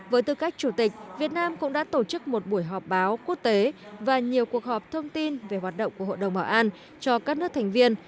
với tư cách chủ tịch việt nam cũng đã tổ chức một buổi họp báo quốc tế và nhiều cuộc họp thông tin về hoạt động của hội đồng bảo an cho các nước thành viên